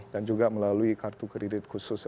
dan juga melalui kartu kredit khusus